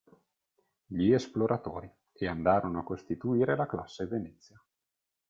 Gli esploratori e andarono a costituire la classe Venezia.